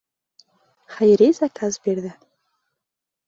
Хәйри заказ бирҙе.